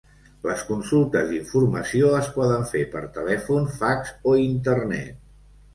Les consultes d'informació es poden fer per telèfon, fax o Internet.